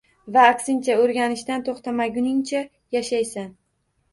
Va aksincha, o‘rganishdan to‘xtamaguningcha yashaysan.